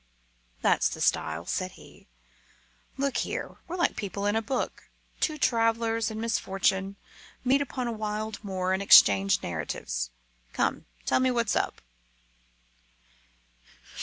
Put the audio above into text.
"That's the style," said he. "Look here, we're like people in a book. Two travellers in misfortune meet upon a wild moor and exchange narratives. Come, tell me what's up?"